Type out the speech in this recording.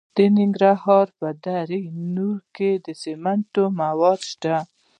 د ننګرهار په دره نور کې د سمنټو مواد شته.